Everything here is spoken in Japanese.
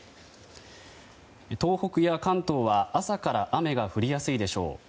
東北や関東は朝から雨が降りやすいでしょう。